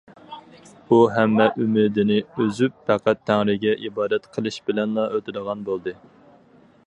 ئۇ ھەممە ئۈمىدىنى ئۈزۈپ پەقەت تەڭرىگە ئىبادەت قىلىش بىلەنلا ئۆتىدىغان بولدى.